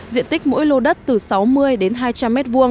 diện tích mỗi lô đất từ sáu mươi đến hai trăm linh m hai